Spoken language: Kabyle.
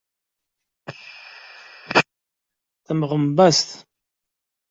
Temɣumbas-d.